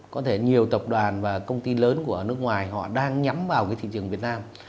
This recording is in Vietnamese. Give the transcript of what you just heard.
có thể nhiều tập đoàn và công ty lớn của nước ngoài họ đang nhắm vào cái thị trường việt nam